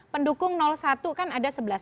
pendukung satu kan ada